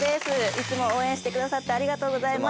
いつも応援してくださってありがとうございます。